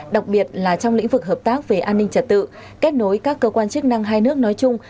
đặc biệt là trong lĩnh vực hợp tác về an ninh trật tự kết nối các cơ quan chức năng hai nước nói chung